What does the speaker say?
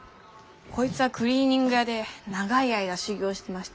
こいつはクリーニング屋で長い間修業してまして